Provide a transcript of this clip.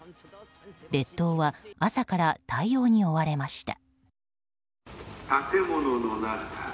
列島は朝から対応に追われました。